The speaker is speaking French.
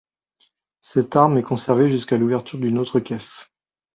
Cette arme est conservée jusqu'à l'ouverture d'une autre caisse.